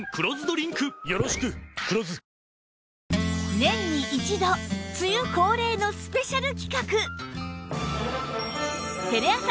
年に一度梅雨恒例のスペシャル企画！